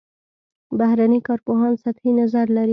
بهرني کارپوهان سطحي نظر لري.